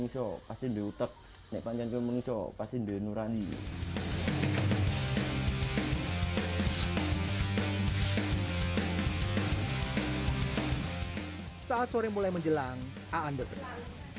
saat sore mulai menjelang aan bergerak